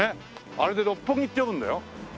あれで「六本木」って読むんだよ。